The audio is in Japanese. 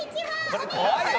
お姉さん！